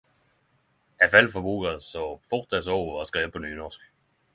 Eg fell for boka så fort eg såg ho var skrive på nynorsk!